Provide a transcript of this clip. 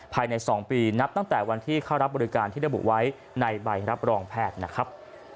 ภายใน๒ปีนับตั้งแต่วันที่เข้ารับบริการที่ระบุไว้ในใบรับรองแพทย์นะครับ